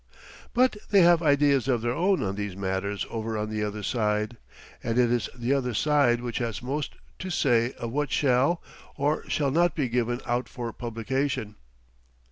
But they have ideas of their own on these matters over on the other side, and it is the other side which has most to say of what shall or shall not be given out for publication.